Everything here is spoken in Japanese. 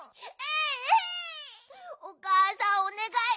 おかあさんおねがい。